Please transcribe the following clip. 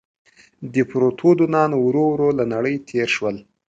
دیپروتودونان ورو ورو له نړۍ تېر شول.